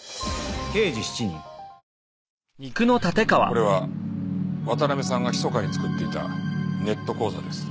これは渡辺さんが密かに作っていたネット口座です。